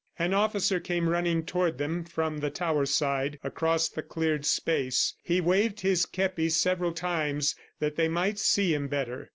An officer came running toward them from the tower side, across the cleared space. He waved his kepi several times that they might see him better.